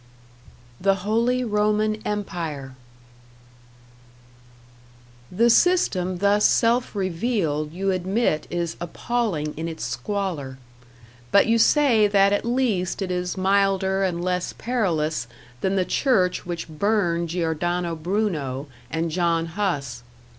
#The Holy Roman Empire# The system thus self revealed you admit is appalling in its squalor; but you say that at least it is milder and less perilous than the Church which burned Giordano Bruno and John Huss.